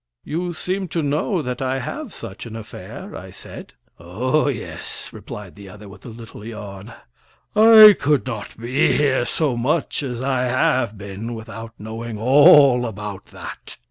"You seem to know that I have such an affair," I said. "Oh, yes!" replied the other, with a little yawn. "I could not be here so much as I have been without knowing all about that."